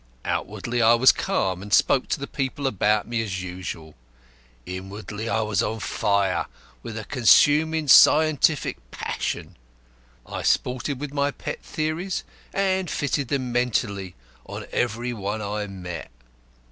Outwardly I was calm, and spoke to the people about me as usual. Inwardly I was on fire with a consuming scientific passion. I sported with my pet theories, and fitted them mentally on every one I met.